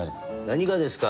「何がですか」